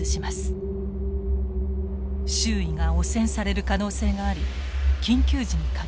周囲が汚染される可能性があり緊急時に限られています。